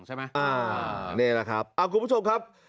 นี่แหละครับคุณผู้ชมครับ